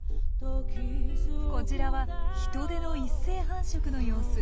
こちらはヒトデの一斉繁殖の様子。